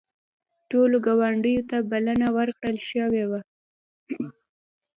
ټولو ګوندونو ته بلنه ورکړل شوې وه